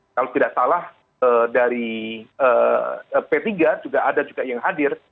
kalau tidak salah dari p tiga juga ada juga yang hadir